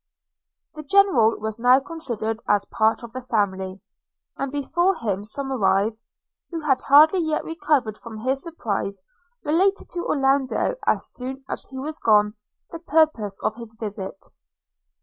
The General was now considered as part of the family; and before him Somerive, who had hardly yet recovered from his surprise, related to Orlando, as soon as he was gone, the purport of his visit.